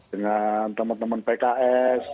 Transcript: dengan teman teman pks